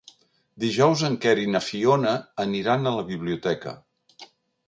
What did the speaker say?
Dijous en Quer i na Fiona aniran a la biblioteca.